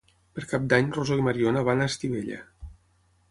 Per Cap d'Any na Rosó i na Mariona van a Estivella.